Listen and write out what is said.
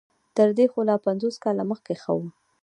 تر دې خو لا پنځوس کاله مخکې ښه وو.